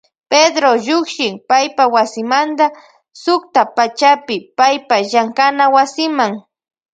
Pedró llukshin paypa wasimanta suktapachapi paypa llankana wasiman.